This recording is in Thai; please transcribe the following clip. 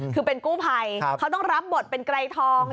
คือเป็นกู้ภัยเขาต้องรับบทเป็นไกรทอง